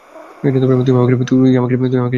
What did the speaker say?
তুই আমাকে কী বলেছিলি, হাহ?